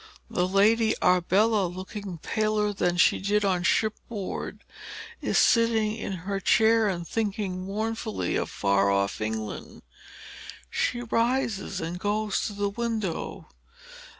The Lady Arbella, looking paler than she did on shipboard, is sitting in her chair, and thinking mournfully of far off England. She rises and goes to the window.